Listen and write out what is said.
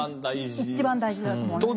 一番大事だと思います。